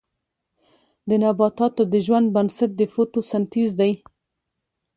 د نباتاتو د ژوند بنسټ د فوتوسنتیز دی